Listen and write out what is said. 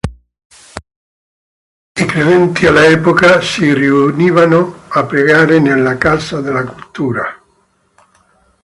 I credenti all'epoca si riunivano a pregare nella Casa della Cultura.